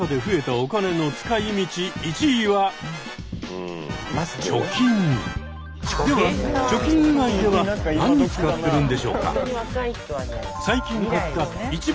そしてでは貯金以外では何に使ってるんでしょうか？